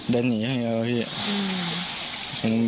เดินหนีขนาดนี้แล้วพี่